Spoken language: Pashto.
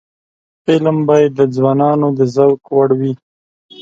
فلم باید د ځوانانو د ذوق وړ وي